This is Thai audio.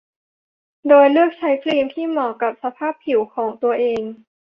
โดยเลือกใช้ครีมที่เหมาะกับสภาพผิวของตัวเอง